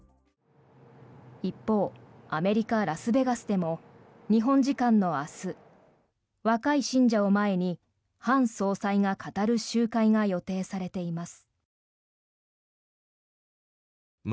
一方、アメリカ・ラスベガスでも日本時間の明日若い信者を前にハン総裁が語る集会が予定されています。